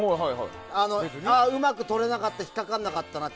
うまく取れなかったひっかからなかったなって。